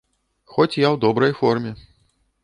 Хоць я ў добрай форме.